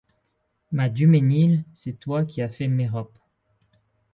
Ma Dumesnil, c'est toi qui as fait Mérope.